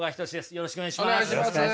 よろしくお願いします。